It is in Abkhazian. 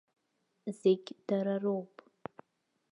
Зегь дарароуп.